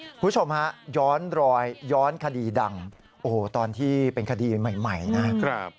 คุณผู้ชมฮะย้อนรอยย้อนคดีดังโอ้โหตอนที่เป็นคดีใหม่นะครับ